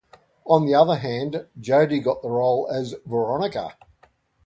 On the other hand, Jodi got the role as Veronica.